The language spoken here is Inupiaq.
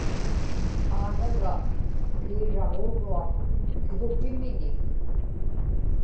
aanaga kiiraġuuruaq kigutimiñik